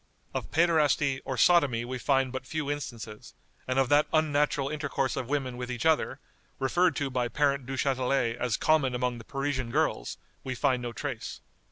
Of Pæderasty or Sodomy we find but few instances; and of that unnatural intercourse of women with each other, referred to by Parent Duchatelet as common among the Parisian girls, we find no trace."